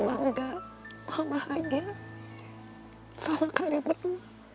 bahagia sama kalian berdua